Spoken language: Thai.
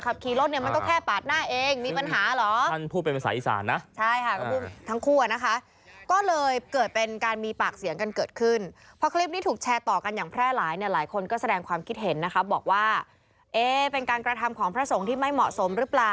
ขับขี่รถเนี่ยมันต้องแค่ปาดหน้าเองมีปัญหาเหรอ